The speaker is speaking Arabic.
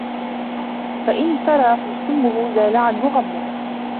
فَإِنْ سَرَى سُمُّهُ زَالَ عَنْهُ غَمُّهُ